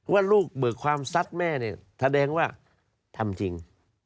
ว่าลูกเบิกความซัดแม่เนี่ยแสดงว่าทำจริง